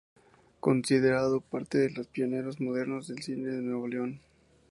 Considerado parte de los pioneros modernos del cine en Nuevo León.